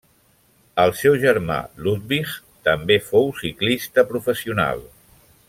El seu germà Ludwig també fou ciclista professional.